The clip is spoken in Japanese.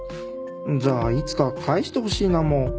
「じゃあいつか返してほしいなも」。